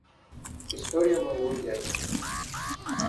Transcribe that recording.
История моего дяди.